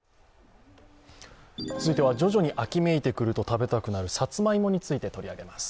続いては徐々に秋めいてくると食べたくなるさつまいもについて取り上げます。